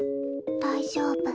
大丈夫。